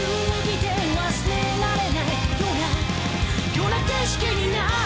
「ような景色になる」